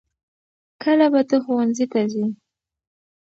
کله به ته ښوونځي ته ځې؟